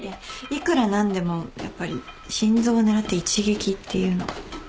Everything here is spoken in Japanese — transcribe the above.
いくら何でもやっぱり心臓を狙って一撃っていうのは。